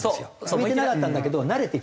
向いてなかったんだけど慣れてきた。